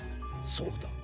そうだ。